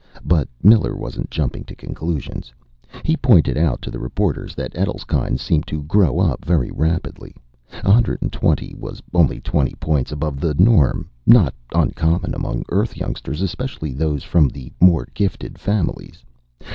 But Miller wasn't jumping to conclusions. He pointed out to the reporters that Etl's kind seemed to grow up very rapidly; 120 was only twenty points above the norm not uncommon among Earth youngsters, especially those from more gifted families.